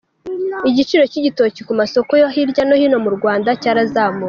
Igiciro cy’igitoki ku masoko yo hirya no hino mu Rwanda cyarazamutse.